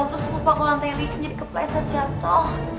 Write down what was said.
terus lupa kulantai licin jadi kepleset jatoh